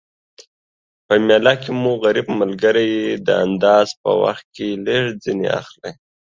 په میله کی مو غریب ملګري د انداز په وخت کي لږ ځیني اخلٸ